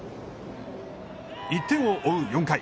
１点を追う４回。